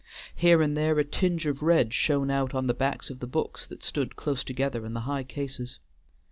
Here and there a tinge of red shone out on the backs of the books that stood close together in the high cases.